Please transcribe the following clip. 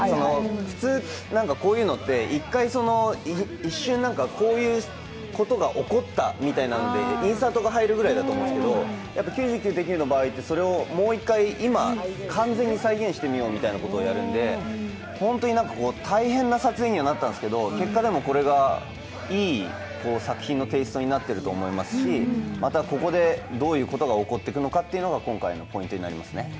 普通こういうのって、一瞬こういうことが起こったみたいなので、インサートが入るぐらいだと思うんですけど、「９９．９」の場合は、それをもう一回今完全に再現してみようみたいなことをやるんで、本当に大変な撮影にはなったんですけど、結果これがいい作品のテイストになっていると思いますし、また、ここでどういうことが起こっていくのかが今回のポイントになりますね。